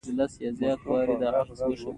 خټکی له شیدو سره یو خوندور ماښام جوړوي.